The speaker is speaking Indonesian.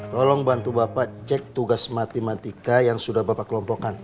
tolong bantu bapak cek tugas matematika yang sudah bapak kelompokkan